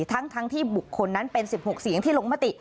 ทั้งที่บุคคลนั้นเป็น๑๖เสียงที่ลงมติ